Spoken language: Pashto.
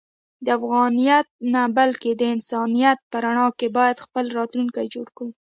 د افغانیت نه بلکې د انسانیت په رڼا کې باید خپل راتلونکی جوړ کړو.